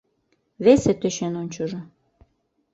Весе тӧчен ончыжо!